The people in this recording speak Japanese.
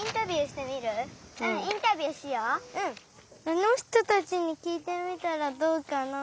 あのひとたちにきいてみたらどうかな。